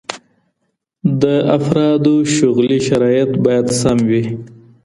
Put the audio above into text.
د افرادو شغلي شرايط بايد سم وي.